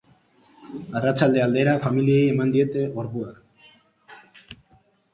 Arratsalde aldera familiei eman diete gorpuak.